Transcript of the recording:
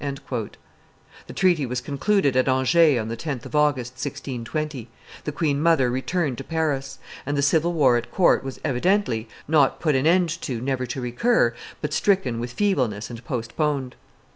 A treaty was concluded at Angers on the 10th of August, 1620; the queen mother returned to Paris; and the civil war at court was evidently, not put an end to never to recur, but stricken with feebleness and postponed.